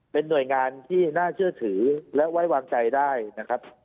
เป็นหน่วยงานที่น่าเชื่อถือและไว้วางใจได้นะครับ